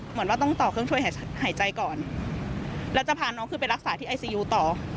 เหมือนว่าต้องต่อเครื่องช่วยหายใจก่อนแล้วจะพาน้องขึ้นไปรักษาที่ไอซียูต่อ